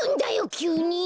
きゅうに！